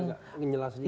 saya tidak ingin menyebut